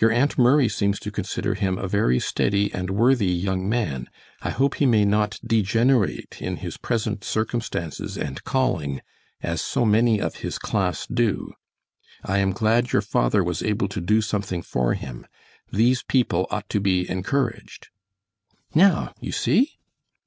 Your Aunt Murray seems to consider him a very steady and worthy young man. I hope he may not degenerate in his present circumstances and calling, as so many of his class do. I am glad your father was able to do something for him. These people ought to be encouraged.' Now you see!"